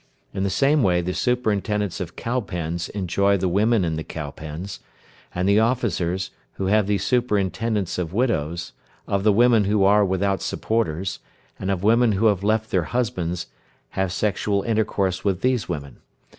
In the same way the superintendents of cow pens enjoy the women in the cow pens; and the officers, who have the superintendence of widows, of the women who are without supporters, and of women who have left their husbands, have sexual intercourse with these women.